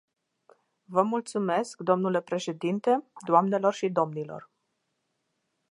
Vă mulțumesc dle președinte, doamnelor și domnilor.